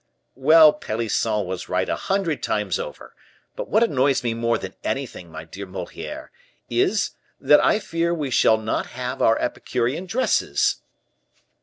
"Well, Pelisson was right a hundred times over. But what annoys me more than anything, my dear Moliere, is, that I fear we shall not have our Epicurean dresses."